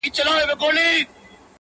خو په بل جهان کی ستر قوي پوځونه-